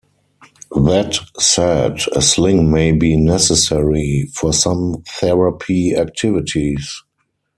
That said, a sling may be necessary for some therapy activities.